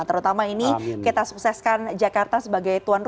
terutama ini kita sukseskan jakarta sebagai tuan rumah